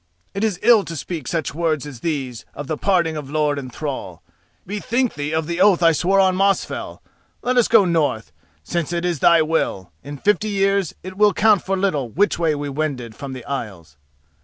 It is ill to speak such words as these of the parting of lord and thrall. Bethink thee of the oath I swore on Mosfell. Let us go north, since it is thy will: in fifty years it will count for little which way we wended from the Isles."